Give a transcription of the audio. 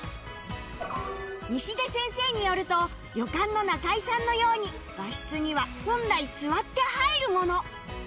西出先生によると旅館の仲居さんのように和室には本来座って入るもの